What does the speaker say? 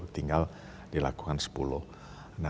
tinggal dilakukan sepuluh km